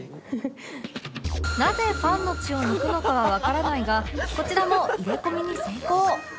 なぜファンの血を抜くのかはわからないがこちらも入れ込みに成功